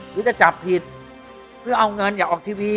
หรือจะจับผิดเพื่อเอาเงินอย่าออกทีวี